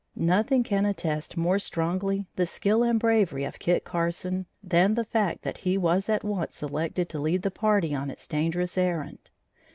Nothing can attest more strongly the skill and bravery of Kit Carson, than the fact that he was at once selected to lead the party on its dangerous errand.